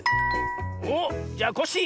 おっじゃあコッシー！